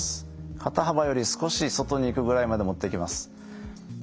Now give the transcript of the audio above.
肩幅より少し外にいくぐらいまで持っていきます。